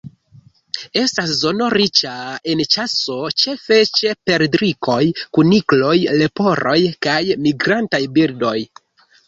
Estas zono riĉa en ĉaso ĉefe ĉe perdrikoj, kunikloj, leporoj kaj migrantaj birdoj.